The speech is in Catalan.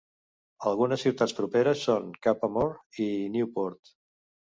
Algunes ciutats properes són Cappamore i Newport.